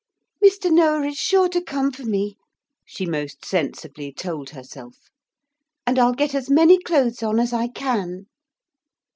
'Mr. Noah is sure to come for me,' she most sensibly told herself. 'And I'll get as many clothes on as I can.'